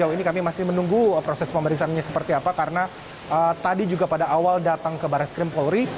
sejauh ini kami masih menunggu proses pemeriksaannya seperti apa karena tadi juga pada awal datang ke baris krim polri